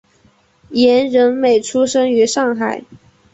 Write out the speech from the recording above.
严仁美出生于上海。